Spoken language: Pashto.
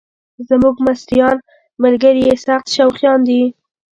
زموږ مصریان ملګري یې سخت شوقیان دي.